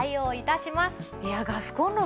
いやガスコンロがね